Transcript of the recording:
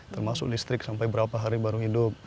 termasuk listrik sampai berapa hari baru hidup